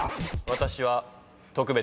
「私は特別」